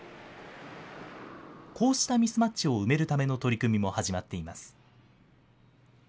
こうしたミスマッチを埋めるための取り組みも始まっています。